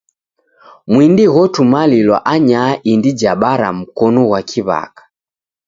Mwindi ghotumalilwa anyaha indi ja bara mkonu ghwa kiw'aka.